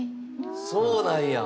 そうなんや？